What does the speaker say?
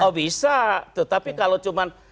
oh bisa tetapi kalau cuma